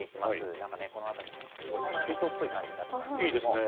なんかね、この辺り、水槽っぽい感じになっています。